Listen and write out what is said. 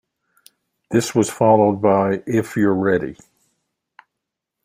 This was followed by If You're Ready!